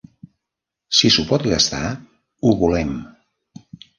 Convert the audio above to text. Si s'ho pot gastar, ho volem.